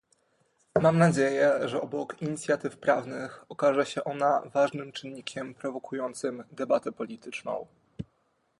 Mam nadzieję, że obok inicjatyw prawnych okaże się ona ważnym czynnikiem prowokującym debatę polityczną